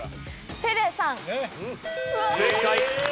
正解。